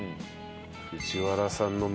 藤原さんの